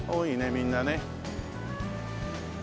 みんなね。